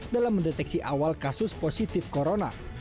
dalam mendeteksi awal kasus positif corona